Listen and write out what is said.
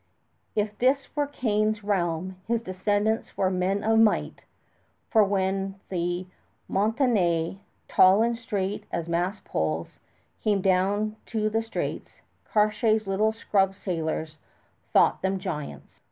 If this were Cain's realm, his descendants were "men of might"; for when the Montaignais, tall and straight as mast poles, came down to the straits, Cartier's little scrub sailors thought them giants.